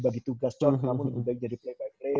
bagi tugas calon namun lebih baik jadi play by play